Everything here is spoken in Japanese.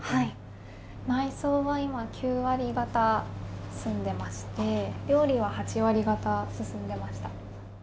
内装は今、９割方済んでまして、料理は８割方進んでました。